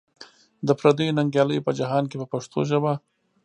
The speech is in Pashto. د پردیو ننګیالیو په جهان کې په پښتو ژبه.